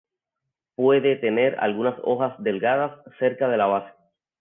Puede tener algunas hojas delgadas cerca de la base.